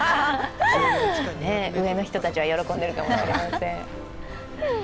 上の人たちは喜んでいるかもしれません。